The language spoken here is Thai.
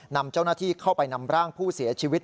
นำเจ้าหน้าที่เข้าไปนำร่างผู้เสียชีวิต